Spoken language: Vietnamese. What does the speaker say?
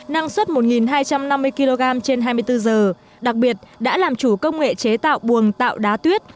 năng suất một hai trăm năm mươi kg trên hai mươi bốn giờ đặc biệt đã làm chủ công nghệ chế tạo buồng tạo đá tuyết